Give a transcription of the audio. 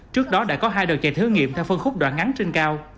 trước đó đã có hai đợt chạy thử nghiệm theo phân khúc đoạn ngắn trên cao